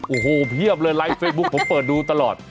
โอ้โหเพียบเลยไลค์เฟซบุ๊คผมเปิดดูตลอด